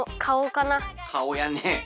かおやね。